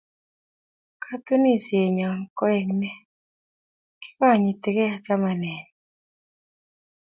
Katunisienyo koek ne kikonyitikei chamanenyu